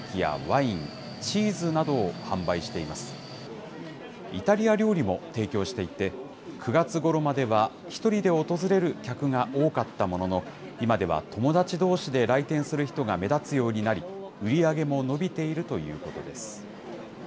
イタリア料理も提供していて、９月ごろまでは、１人で訪れる客が多かったものの、今では友達どうしで来店する人が目立つようになり、売り上げも伸びているということです。